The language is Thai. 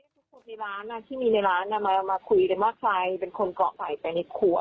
ทุกคนที่มีในร้านมาคุยว่าใครเป็นคนเกาะไข่ในขัว